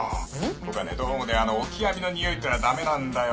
僕はねどうもねあのオキアミのにおいってのはダメなんだよ。